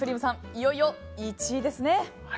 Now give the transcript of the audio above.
いよいよ１位ですね。